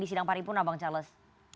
di sidang paripurna bang charles